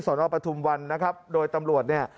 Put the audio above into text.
สนปฐุมวันโดยตำรวจนี่